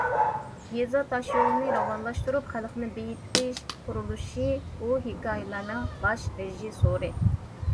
يېزا تاشيولىنى راۋانلاشتۇرۇپ، خەلقنى بېيىتىش قۇرۇلۇشى بۇ ھېكايىلەرنىڭ‹‹ باش رېژىسسورى››.